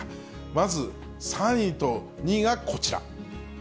まず、３位と２位がこちら。